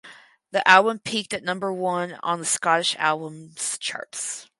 The album peaked at number one on the Scottish Albums Charts.